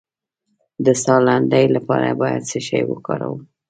د ساه لنډۍ لپاره باید څه شی وکاروم؟